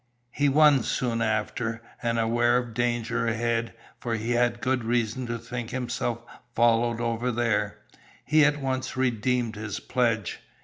He won soon after, and aware of danger ahead, for he had good reason to think himself followed over there, he at once redeemed his pledge.